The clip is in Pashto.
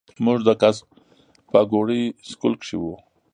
مونږ د کس پاګوړۍ سکول کښې وو